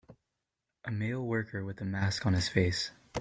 A male worker with a mask on his face.